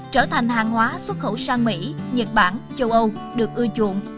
trở thành hàng hóa xuất khẩu sang mỹ nhật bản châu âu được ưa chuộng